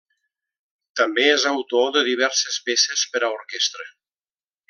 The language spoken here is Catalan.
També és autor de diverses peces per a orquestra.